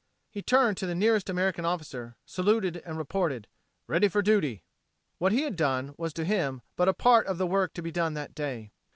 He turned to the nearest American officer, saluted and reported, "Ready for duty." What he had done was to him but a part of the work to be done that day.